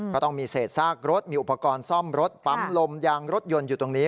ก็ต้องมีเศษซากรถมีอุปกรณ์ซ่อมรถปั๊มลมยางรถยนต์อยู่ตรงนี้